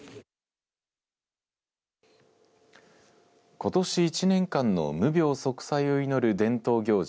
ことし１年間の無病息災を祈る伝統行事